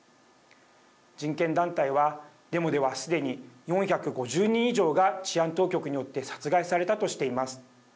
人権団体は、デモではすでに４５０人以上が治安当局によって殺害されたとしています。